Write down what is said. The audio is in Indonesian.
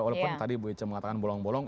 walaupun tadi bu ica mengatakan bolong bolong